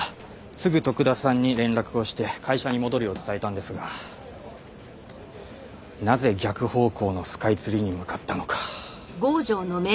すぐ徳田さんに連絡をして会社に戻るよう伝えたんですがなぜ逆方向のスカイツリーに向かったのか。